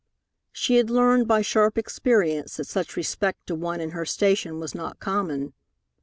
She had learned by sharp experience that such respect to one in her station was not common.